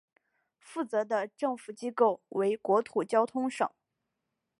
负责的政府机构为国土交通省。